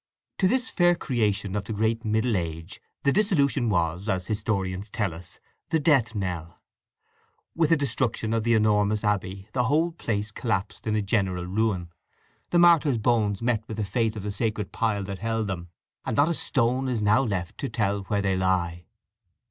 To this fair creation of the great Middle Age the Dissolution was, as historians tell us, the death knell. With the destruction of the enormous abbey the whole place collapsed in a general ruin: the Martyr's bones met with the fate of the sacred pile that held them, and not a stone is now left to tell where they lie.